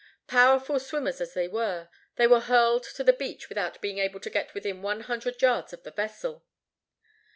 Powerful swimmers as they were, they were hurled to the beach without being able to get within one hundred yards of the vessel.